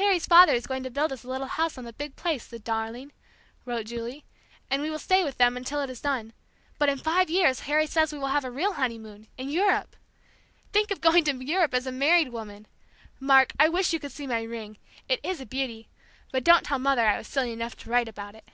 "Harry's father is going to build us a little house on the big place, the darling," wrote Julie; "and we will stay with them until it is done. But in five years Harry says we will have a real honeymoon, in Europe! Think of going to Europe as a married woman! Mark, I wish you could see my ring; it is a beauty, but don't tell Mother I was silly enough to write about it!"